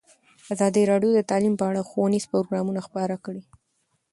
ازادي راډیو د تعلیم په اړه ښوونیز پروګرامونه خپاره کړي.